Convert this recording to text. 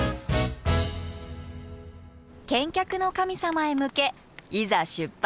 健脚の神様へ向けいざ出発。